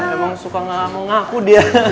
emang suka ngaku dia